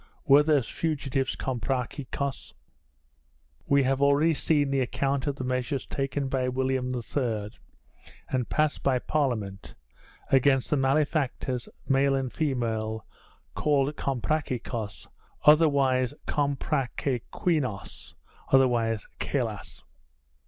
Were those fugitives Comprachicos? We have already seen the account of the measures taken by William III. and passed by Parliament against the malefactors, male and female, called Comprachicos, otherwise Comprapequeños, otherwise Cheylas.